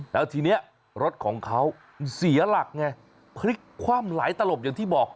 แล้วทีนี้รถของเขาเสียหลักไงพลิกคว่ำหลายตลบอย่างที่บอก